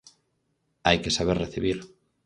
Hai que saber recibir.